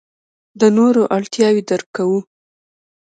د نورو اړتیاوې درک کوو.